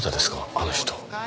あの人。